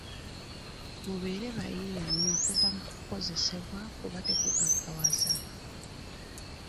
Mubeere bayiiya nnyo okuva mu kukozesebwa kuba tekugaggawaza.